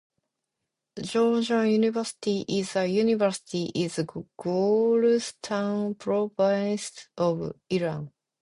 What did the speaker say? Gorgan University is a university in Golestan Province of Iran.